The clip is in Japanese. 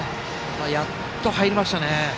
やっと入りましたね。